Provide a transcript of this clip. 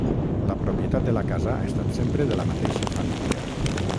La propietat de la casa ha estat sempre de la mateixa família.